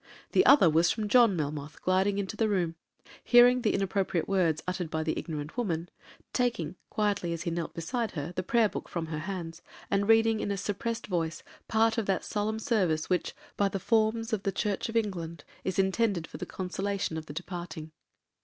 The other was from John Melmoth gliding into the room, hearing the inappropriate words uttered by the ignorant woman, taking quietly as he knelt beside her the prayer book from her hands, and reading in a suppressed voice part of that solemn service which, by the forms of the Church of England, is intended for the consolation of the departing.